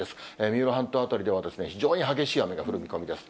三浦半島辺りでは非常に激しい雨が降る見込みです。